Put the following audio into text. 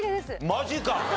マジか！